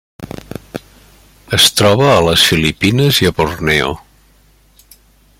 Es troba a les Filipines i a Borneo.